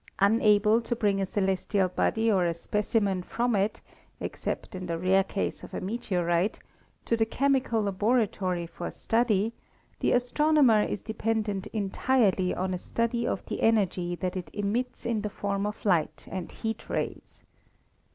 Unable to bring a celestial body or a specimen from it, except in the rare case of a meteorite, to the chemical laboratory for study, the astronomer is dependent entirely on a study of the energy that it emits in the form of light and heat rays.